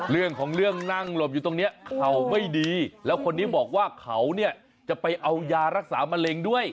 เรื่องของเรื่องนั่งหลบอยู่ตรงนี้เข่าไม่ดีแล้วคนนี้บอกว่าเขาเนี่ยจะไปเอายารักษามะเร็งด้วย